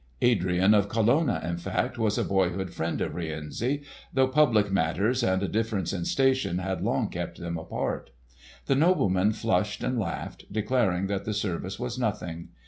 Adrian of Colonna, in fact, was a boyhood friend of Rienzi, though public matters and a difference in station had long kept them apart. The nobleman flushed and laughed, declaring that the service was nothing.